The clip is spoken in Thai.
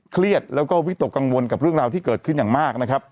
เครียดแล้วก็วิตกกังวลกับเรื่องราวที่เกิดขึ้นอย่างมากนะครับ